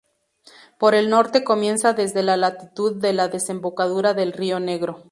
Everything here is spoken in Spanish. Por el norte comienza desde la latitud de la desembocadura del río Negro.